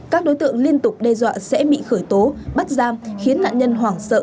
các đối tượng liên tục đe dọa sẽ bị khởi tố bắt giam khiến nạn nhân hoảng sợ